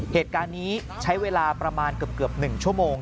เหตุการณ์นี้ใช้เวลาประมาณเกือบ๑ชั่วโมง